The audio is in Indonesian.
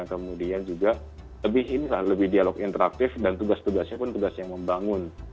kemudian juga lebih dialog interaktif dan tugas tugasnya pun tugas yang membangun